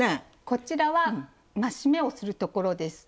こちらは「増し目」をするところです。